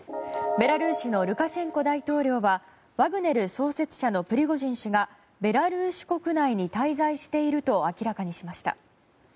ベラルーシのルカシェンコ大統領はワグネル創設者のプリゴジン氏がベラルーシ国内に滞在していると明らかにしました。